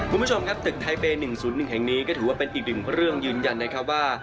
คุณผู้ชมครับตึกไทยเปย์๑๐๑แห่งนี้ก็ถือว่าเป็นอีกหนึ่งเรื่องยืนยันนะครับว่า